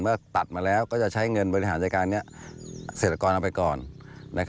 เมื่อตัดมาแล้วก็จะใช้เงินบริหารจัดการนี้เกษตรกรเอาไปก่อน